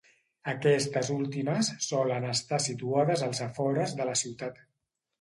Aquestes últimes solen estar situades als afores de la ciutat.